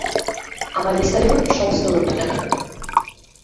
আমায় বিস্তারিত সমস্ত তথ্য জানান।